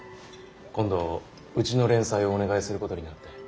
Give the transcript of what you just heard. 今度うちの連載をお願いすることになって。